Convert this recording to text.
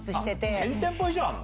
１０００店舗以上あんの？